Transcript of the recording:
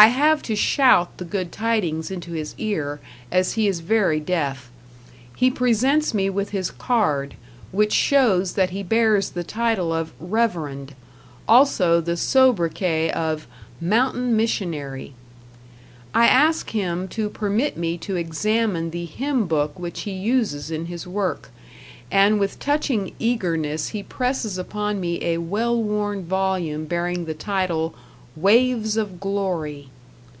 I have to shout the good tidings into his ear, as he is very deaf. He presents me with his card, which shows that he bears the title of "Reverend", also the sobriquet of "Mountain Missionary". I ask him to permit me to examine the hymn book which he uses in his work, and with touching eagerness he presses upon me a well worn volume bearing the title "Waves of Glory".